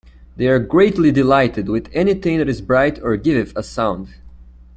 They are greatly delighted with anything that is bright or giveth a sound.